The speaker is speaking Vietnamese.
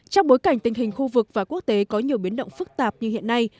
trong bối cảnh tình hình khu vực và quốc tế có nhiều biến động phức tạp như hiện nay